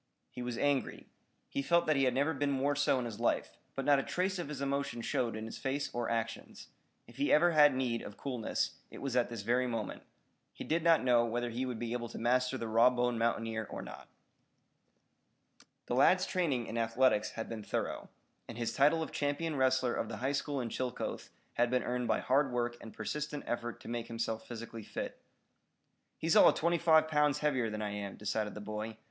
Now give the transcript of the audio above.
He was angry. He felt that he had never been more so in his life, but not a trace of his emotion showed in his face or actions. If he ever had need of coolness, it was at this very moment. He did not know whether he would be able to master the raw boned mountaineer or not. The lad's training in athletics had been thorough, and his title of champion wrestler of the high school in Chillicothe had been earned by hard work and persistent effort to make himself physically fit. "He's all of twenty five pounds heavier than I am," decided the boy.